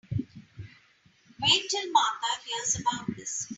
Wait till Martha hears about this.